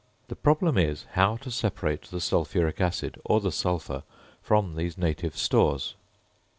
The problem is, how to separate the sulphuric acid, or the sulphur, from these native stores.